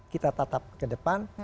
kita tetap kedepan